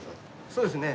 そうですね。